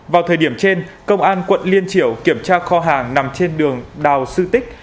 vào thời điểm trên công an quận liên triểu kiểm tra kho hàng nằm trên đường đào sư tích